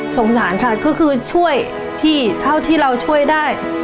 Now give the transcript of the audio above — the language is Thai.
สงสารค่ะก็คือช่วยพี่เท่าที่เราช่วยได้